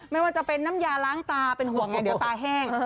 ไม่ว่าจะเป็นน้ำยาล้างตาเป็นห่วงไงเดี๋ยวตาแห้ง